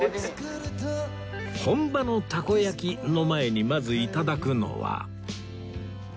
本場のたこ焼きの前にまず頂くのは